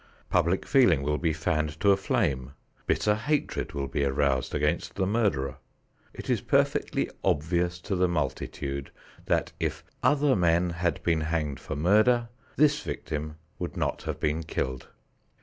Public feeling will be fanned to a flame. Bitter hatred will be aroused against the murderer. It is perfectly obvious to the multitude that if other men had been hanged for murder, this victim would not have been killed.